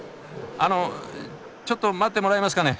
あのちょっと待ってもらえますかね？